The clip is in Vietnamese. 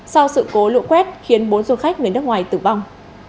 sau sự cố lũ quét khiến bốn du khách người nước ngoài tử vong